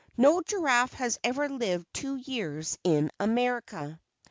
No Giraffe has ever lived two years in America.